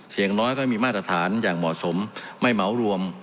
อย่างน้อยก็มีมาตรฐานอย่างเหมาะสมไม่เหมารวม